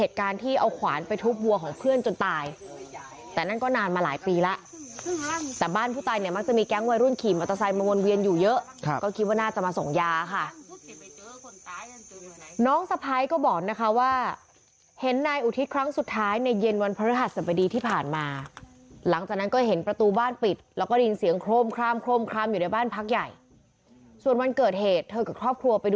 แต่บ้านผู้ตายเนี่ยมักจะมีแก๊งวัยรุ่นขี่มอเตอร์ไซน์มาวนเวียนอยู่เยอะก็คิดว่าน่าจะมาส่งยาค่ะน้องสะพ้ายก็บอกนะคะว่าเห็นนายอุทิศครั้งสุดท้ายในเย็นวันพระราชสมดีที่ผ่านมาหลังจากนั้นก็เห็นประตูบ้านปิดแล้วก็ยินเสียงโครมครามโครมครามอยู่ในบ้านพักใหญ่ส่วนวันเกิดเหตุเธอกับครอบครัวไปด